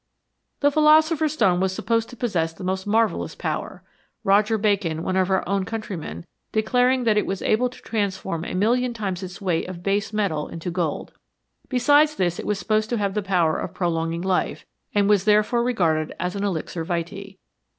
The philosopher's stone was supposed to possess the most marvellous power, Roger Bacon, one of our own countrymen, declaring that it was able to transform a million times its weight of base metal into gold. Be sides this it was supposed to have the power of prolong ing life, and was therefore regarded as an "elixir vitse."